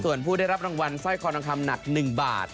ส่วนผู้ได้รับรางวัลสร้อยคอทองคำหนัก๑บาท